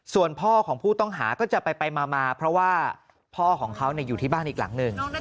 ส่วนพ่อของผู้ต้องหาก็จะไปมาเพราะว่าพ่อของเขาอยู่ที่บ้านอีกหลังหนึ่ง